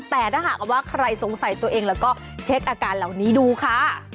แต่ถ้าหากว่าใครสงสัยตัวเองแล้วก็เช็คอาการเหล่านี้ดูค่ะ